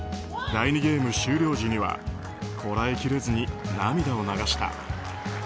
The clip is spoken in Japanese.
第２ゲーム終了時にはこらえきれずに涙を流した。